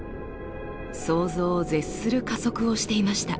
想像を絶する加速をしていました。